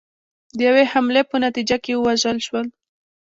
د یوې حملې په نتیجه کې ووژل شول